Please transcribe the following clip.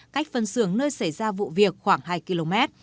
cách phân xưởng nơi xảy ra vụ việc khoảng hai km